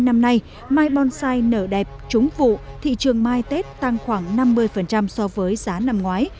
năm nay mai bonsai nở đẹp trúng vụ thị trường mai tết tăng khoảng năm mươi so với giá năm ngoái